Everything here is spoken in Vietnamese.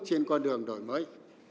trên con đường đổi mới